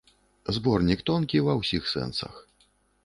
Зборнік тонкі ва ўсіх сэнсах.